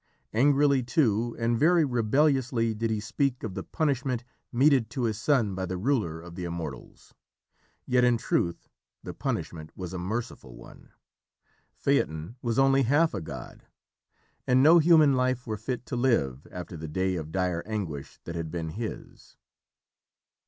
Angrily, too, and very rebelliously did he speak of the punishment meted to his son by the ruler of the Immortals. Yet in truth the punishment was a merciful one. Phaeton was only half a god, and no human life were fit to live after the day of dire anguish that had been his.